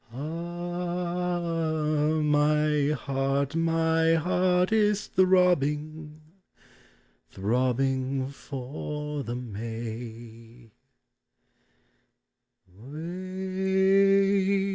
Ah ! my heart, my heart is throbbing, Throbbing for the May.